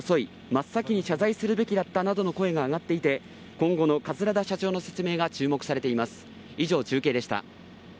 真っ先に謝罪するべきだったなどの声が上がっていて今後の桂田社長の説明が注目されています。